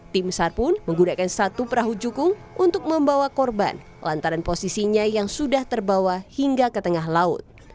tim sar pun menggunakan satu perahu jukung untuk membawa korban lantaran posisinya yang sudah terbawa hingga ke tengah laut